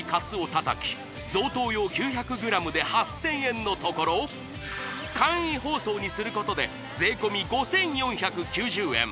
たたき贈答用９００ｇで８０００円のところ簡易包装にすることで税込５４９０円